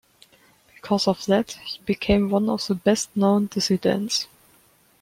Because of that he became one of the best known dissidents.